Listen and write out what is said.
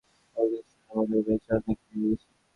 ওর কাছে শুনলাম - ওদের রেজাল্ট নাকি বেড়িয়ে গেছে।